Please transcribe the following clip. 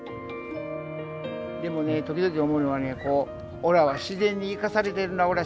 でもね時々思うのはねおらは自然に生かされてるなおら